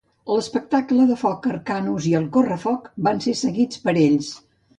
L'espectacle de foc Arcanus i el correfoc van ser seguits per ells.